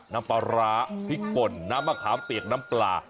น้ำปลาร้าพริกป่นน้ำมะขามเปียกน้ำปลา